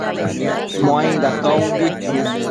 Muainda caumbi